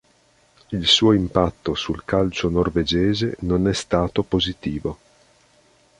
Il suo impatto sul calcio norvegese non è stato positivo.